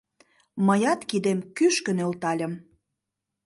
Мыят кидем кӱшкӧ нӧлтальым.